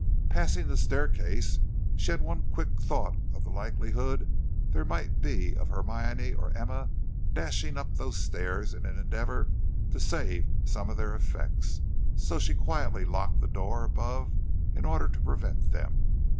Passing the staircase she had one quick thought of the likelihood there might be of Hermione or Emma dashing up those stairs in an endeavor to save some of their effects, so she quietly locked the door above in order to prevent them.